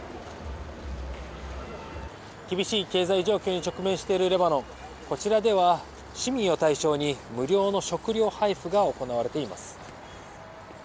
厳しい経済状況に直面しているレバノン、こちらでは市民を対象に、無料の食料配布が行われています。